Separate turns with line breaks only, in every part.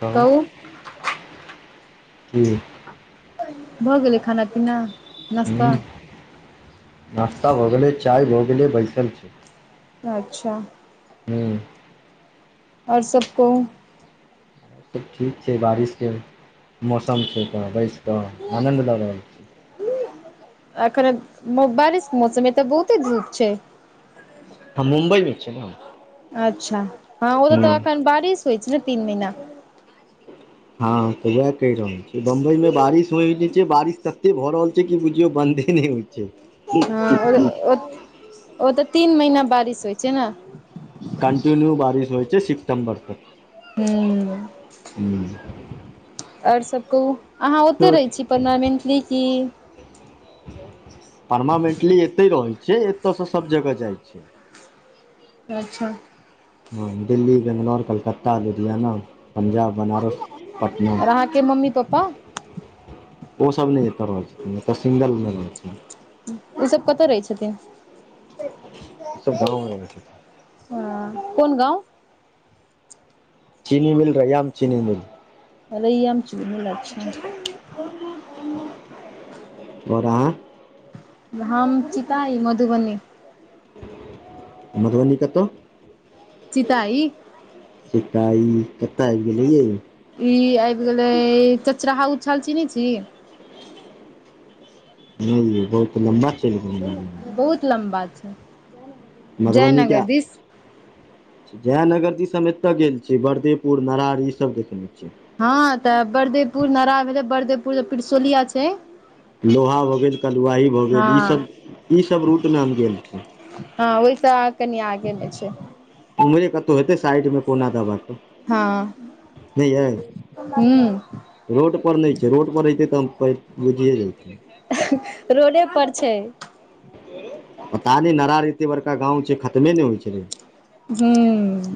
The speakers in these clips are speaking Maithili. कहु
कहू
की?
भऽ गेलै खाना पीना? नाश्ता
हूं नास्ता भऽ गेलै चाय भऽ गेलै बैसल छी।
अच्छा
हूँ
आओर सब कहू।
सब ठीक छैय बारिशके मौसम छैय तऽ बैसकऽ आनन्द लऽ रहल छी
एखन बारिश मौसम तऽ बहुते धूप छैय।
हम मुम्बई मे छियै ने।
अच्छा हँ ओत
हुँ
त एखन बारिश होइ छैय ने तीन महिना।
हँ त वैह कहि रहल छी बंबई में बारिश होय नहि छैय बारिश तते भए रहल छैय कि बुझियौ बंदे नहि होय
हँ
छैय [unintelligible]
ओ त तीन महिना बारिश होइ छै ने
कन्टिन्यू बारिश होइ छै सितम्बर तक
हूँ
ह्म्म
ओर सभ कहूँ अहाँ ओते रहै छी परमानेंटली कि
परमामेंटली एते रहै छिये एतय सँ सब जगह जाई छै
अच्छा
हँ दिल्ली बैंगलौर कलकत्ता लुधियाना पंजाब बनारस पटना
आओर अहाँके मम्मी पप्पा
ओसभ नहि एत रहल सिंगल रहल
ओसभ कत रहै छथिन
ओसभ गाँवमे रहै छथिन
ह कौन गाँव
चीनी मिल रैयाम चीनी मिल
रैयाम चीनी मील अच्छा
बोरा
हम चिताय मधुबनी
मधुबनी कतय
चिताई
चिता कत आबि गेलैयै
ई आबि गेले चचराहा उछल चीनी छी
नहि ये बहुत लम्बा चलि गेल गाड़ी
बहुत लम्बा छै
मधुबनी
जयनगर
का
दिस
जयनगर दीस हम एते गेल छियै वरदेपुर नरारी ई सब देखने छियै
हँ त बरदेपुर नारा भेले बरदेपुर पिरसोलिया छै
लोहा भ गेल कलुआही भ
हँ
गेल ईसभ ईसभ रूट मे आ हम गेल छी
हँ ओहि सँ कनि आगे मे छै
उमहरे कतहु हेतै साइड में कोना दबाबे
हँ
के नहि ये
ह्म
रोड पर नहि छै रोड पर रहि छै त हम खोज बुझिए जैतो
रोडे पर छै
पता नहि नरहार एते बड़का गाँंव छै खतमे ने होइ छलै
हूँ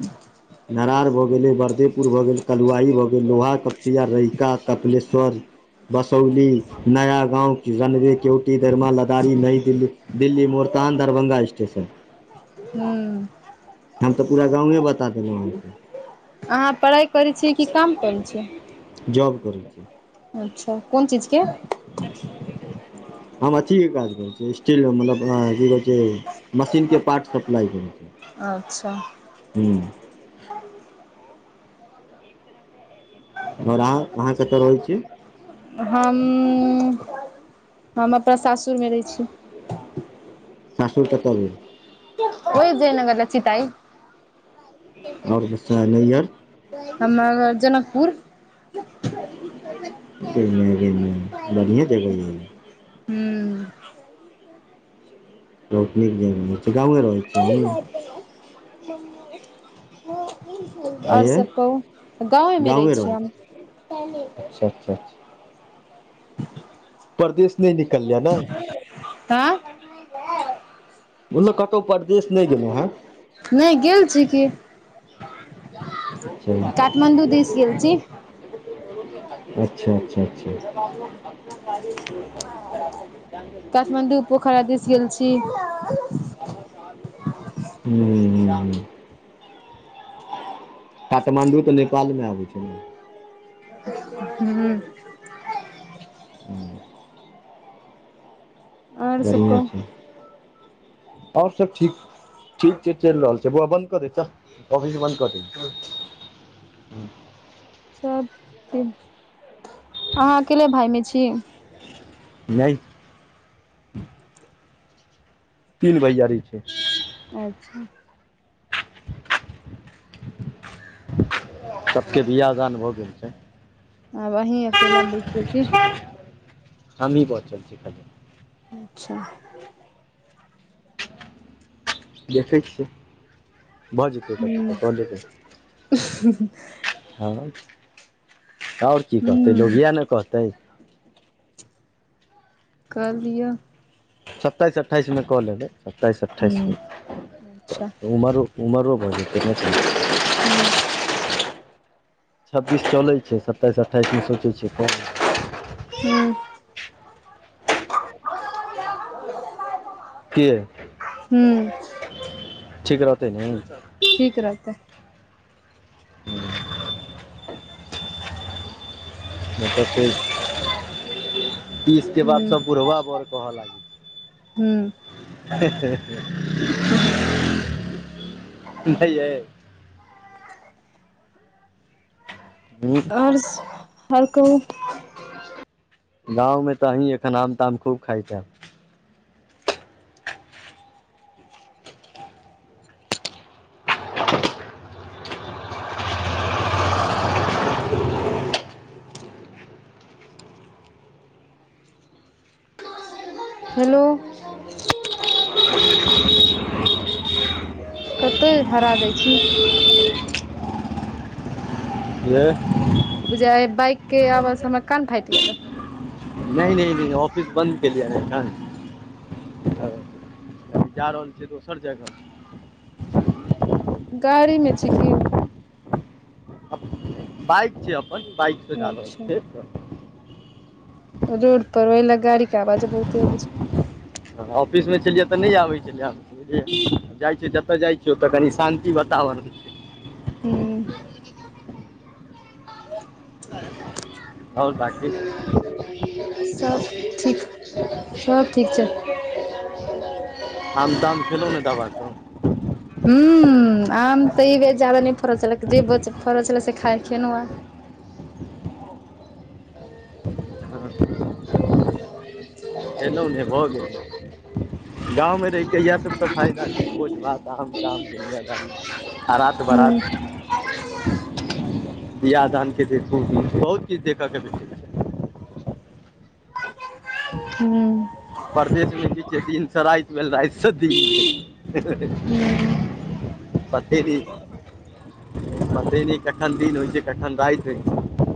नारहार भ गेलै बरदेपुर भ गेले कलुआही भ गेले लोहा क सीधा रहिका कपिलेश्वर बसौली नया गाँव रनवे केउँटी दरमा लदारी नई दिल्ली दिल्ली मोर तहन दरभंगा स्टेशन
हूँ
हम त पूरा गाँवे बता देलहुँ अहाँके
अहाँ पढ़ाई करै छियै कि काम करै छियै
जॉब करै छी
अच्छा कोन चीज के
हम अथी के काज करै छी स्टील मतलब अपना जीव जे मशीन के पार्ट सप्लाई करै
अच्छा
छै ह ओर अहा अहाँ कतय रहै छी
हम हम अपना सासुर मे रहै छी
सासुर कतय भेल?
ओहि जयनगर लऽग चीताइ।
आओर नैहर
हम [unintelligible] जनकपुर
गै माए गै माए, बढ़ियाँ जगह [unintelligible]
हूँ
बहुत नीक जगह, गांवे रहैत
ए ने ह [inaudible] आओर
ये
सभ कहू, गाँवेमे रहै
गाँवे
छियै
छी
हम
अच्छा अच्छा परदेश नहि निकलिए यै नहि
तब?
बुझलौं कतं परदेश नहि गेलैं हन
नहि गेल छी की।
[unintelligible]
काठमाण्डू दिस गेल छी
अच्छा अच्छा अच्छा
काठमाण्डू
[inaudible]
पोखरा दिस गेल छी
हूँ काठमाण्डू तऽ नेपालमे आबै छै ने?
हूँ
[inaudible]
आओर सब
बढ़िया
कहू
छै, आओर सब ठीक ठीक छै चलि रहल छै बौआ बन्द कऽ दऽहि तॅं, आॅफिस बन्द कऽ दऽहि
सब ठीक, अहाँ अकेले भाईमे छी?
नहि तीन भैयारी छै।
अच्छा
सबके बियाह-दान भऽ गेल छै।
आब अहीं अकेला बचि गेल छी
हमही बचल छी
अच्छा
देखै छियै, भऽ जेतै कतौ तॅं कऽ लेबै हँ, आओर की कहतै लोक
हूँ
इएह ने कहतै
कऽ लिय।
सत्ताइस अट्ठाइसमे कऽ लेबै, सत्ताइस
हूँ
अट्ठाइसमे
अच्छा
त उमऽरो उमऽरो भऽ जेतै नहि [unintelligible]
हूँ
छब्बीस चलै छै, सत्ताइस अठाइसमे सोचै छियै कऽ लिअ
हूँ
की यै,
हूँ
ठीक रहतै ने?
ठीक रहतै।
ह [inaudible]
[inaudible]
मतलब फेर
कतन [inaudible]
तीसके बाद सभ बुढ़वा वर कहय लागै छै
हूँ
नहि यै [inaudible]
हर्ष आओर‌ कहू
गाँव मे त अहीं एखन आम ताम खूब खायत हैब
हेलो कते भड़ा दै छी [unintelligible]
यह
बुझा अय बाइक के आवाज हमरा कान फाटि गेलै ये
नहि नहि नहि ऑफिस बन्द केलयि अखन जा रहल छीयै दोसर जगह
गाड़ी मे छै की
बाइक छै अपन बाइकसँ जा रहल
अच्छा
छी
रोड पर ओहि लए गाड़ी के आवाज बहुते अबै छै
ऑफिस मे छलियै तऽ नहि आबै छलियैब बुझलियै जाइ छियै जतऽ जाइ छियै ओतय कनि शान्ति वातावरण
हू
आओर बाकी आओर
सब
सुनाउ अहाँ
ठीक सब ठीक छै
आम ताम खेलौ ने दवा क
ह आम तऽ ई बे ज्यादा नहि फड़ल छलैक जे फड़ल छलै से खा खेलहुँ है आ
आ
ह
खेलौ नहि भऽ गेल गाँंव मे रही के इएह सब तऽ फायदा छै भोज भात आाम ताम दुनियादारी आरात
हूँ
बराात बिआाह धान के देखू बहुत चीज देखऽ के भ
हू
परदेेश मे पीछे दिनसँ राइ भेला स द पते मत न कठन दिन होइ छै कठन दइत होइ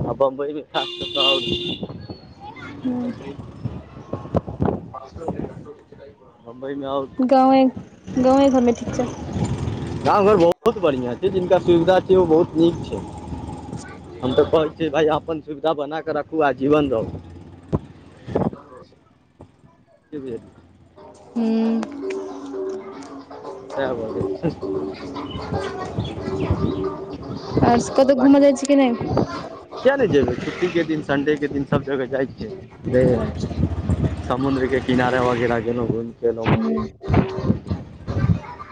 ह बम्बईमे खास आ
ह
बमबई मे आओ
गाँवे गाँवे घरमे ठीक छै
गाँंव घर बहुत बढ़िया छै जिनका सुविधा छै ओ बहुत नीक छै हम तऽ कहै से भाइ अपन सुविधा बनााकऽ रखू आ जीवन रहू
आ
क भ
ह्मँ
आबत [inaudible] आओर
कतहु घूमऽ
बाकी
जाइ छी कि नहि
किया नहि जेबै छुट्टी के दिन सडे के दिन सब जगह जाइ छैै समुद्रके किनारा वगैर जे घुमिक
हूँ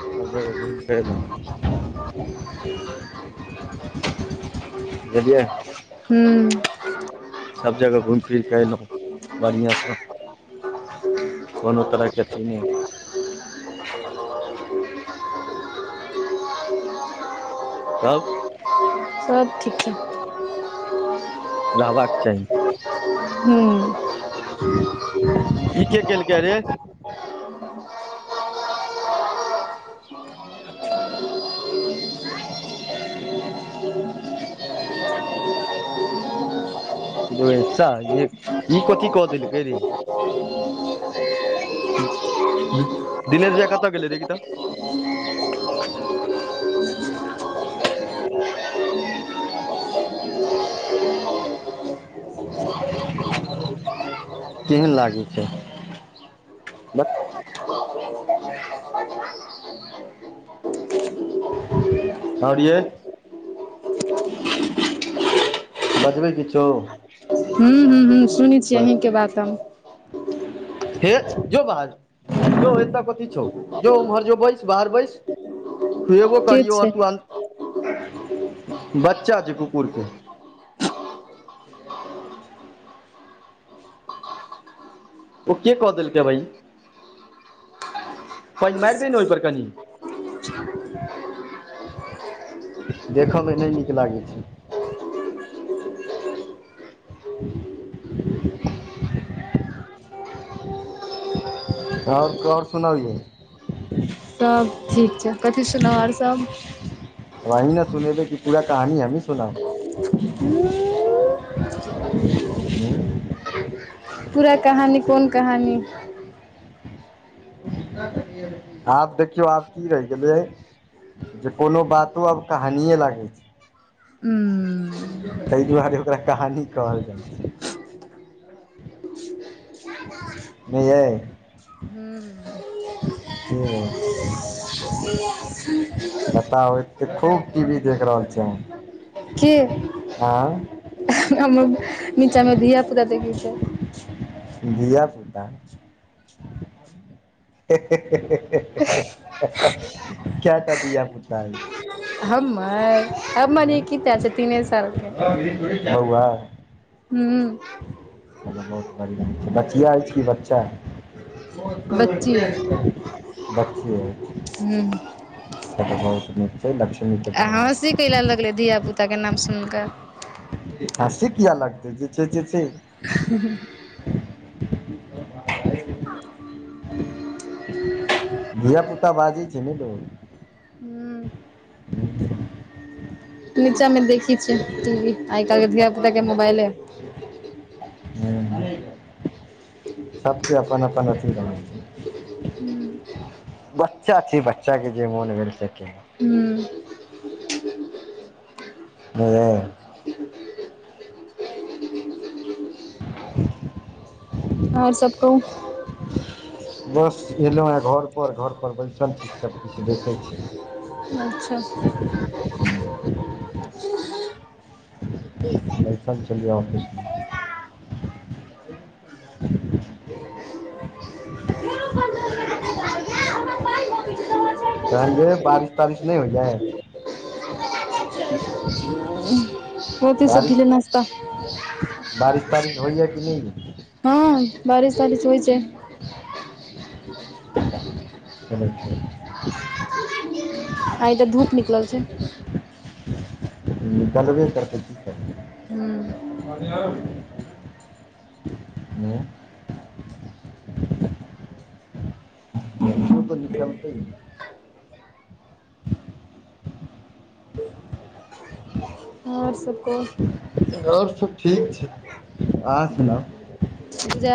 सभ जगह घुमि फि देब बुझलियै
हू
सभ जगह घुमि फिरि कऽ अयलहुँ बढ़िआँसँ
ह ह [unintelligible]
कोनो तरहके अथी नहि
[unintelligible]
तब
सब ठीक छै
रहबाक चाही
हू
की के केलके रे
[unintelligible]
पानी नय आबै छै सा ई कथी कह देलके रे दिनेश भैया कतऽ गेले देकहि तऽ [unintelligible] [unintelligible] [unintelligible]
ह [unintelligible]
केहन लागै छै बस।
[unintelligible]
और ये बजबै किछो
हू हू हू सुनै छियै
बस
अहींके बात हम
हे जो बाहर जो ए तऽ कथी छौ जो उमहर जो बैस बाहर बैस खुएबो
के
करियौ आओर
छै
तू अन्त बच्चा छै कुकुर के ओ के कऽ देलकै भई पानि मारि दहि ने ओहि पर कनि
[unintelligible]
देखऽमे नहि नीक लागै छै [unintelligible] ओर क और सुनाउ ये
सब ठीक छै कथी सुनाउ आओर सब
आहि ने सुनेबै कि पूरा कहानी हमी सुनाउ हू
पूरा कहानी कोन कहानी
आ देखियौ आब की रहहि गेले जे कोनो बातो आब कहानियए लागैत छै
उंम्म
ताहि दुआरे ओकरा कहानी कहल जाइ छै नहि
[unintelligible]
यै
हू
बताउ ऐते खूब टी वी देख रहल छी आहाँ
के
आँ
हमर निचामे धियापुता देखैत छै
धियापुता [unintelligible] क्या टा धिया पुता यो
हमर हमर ई की टा छै तीने सालके
हवा [unintelligible]
हू
कहलहु बहुत बढ़िआँ छै बचिआइ छै कि बच्चा ओ [inaudible] त
बच्ची हूँ
बहु त कि ल्ष [unintelligible]
आ हँसी केयला लगले धिय पुता के नाम सुन कऽ
हँसी से किया लगतै जे छै से से
[inaudible] [inaudible]
धिय पुता बाजै छै ने लोको
हूँ नीचा मे देखे छी टीवी आइ काल के धिया पुता के मोबाइले
ह्म [inaudible] सभके अपन अपन अथी रह छै बच्चा छै बच्चा के जे मोन भेल से
हूँ
नहि [inaudible] [inaudible]
आओर सभ कहू '
बस एयलहुँ है घर पर घर पर बैसल छी सभ कछु देखैत छी
अच्छा
लस चल जाए ऑफिस [unintelligible] तहन जे बारिश तारिश नहि हो यै [inaudible]
सोचे जे
बारिश
छथि नाश्ता
बारिश तारिश होइय कि नहि यो
हँ बारिश तारिश होइ छै [inaudible]
चलू ठीक [unintelligible]
आइ त धूप निकल छै
निकलबे करतै की करते हूँ निक मत [unintelligible]
आओर सब कहू
आओर सब ठीक छै अहाँ सुनाउ
बुझाय